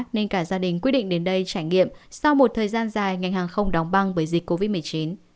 nên cả gia đình quyết định đến đây trải nghiệm sau một thời gian dài ngành hàng không đóng băng bởi dịch covid một mươi chín